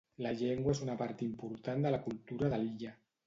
La llengua és una part important de la cultura de l'illa.